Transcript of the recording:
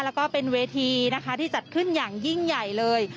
แล้วก็เป็นเวทีนะคะที่จัดขึ้นอย่างยิ่งใหญ่เลย